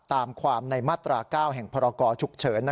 ตามความในมาตรา๙แห่งพรกรฉุกเฉิน